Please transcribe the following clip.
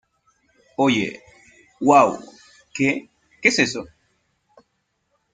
¡ Oye! ¡ uau !¿ qué? ¿ qué es eso ?